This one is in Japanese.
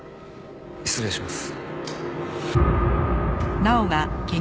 失礼します。